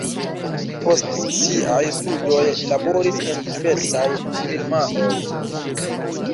Post siaj studoj li laboris en diversaj firmaoj.